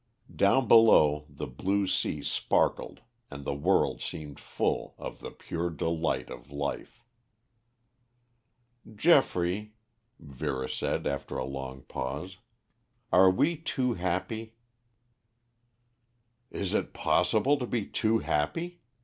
Down below the blue sea sparkled and the world seemed full of the pure delight of life. "Geoffrey," Vera said after a long pause, "are we too happy?" "Is it possible to be too happy?"